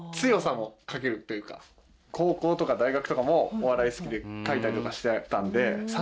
高校とか大学とかもお笑い好きで書いたりとかしてたんで。